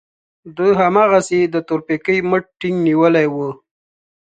ده هماغسې د تورپيکۍ مټ ټينګ نيولی و.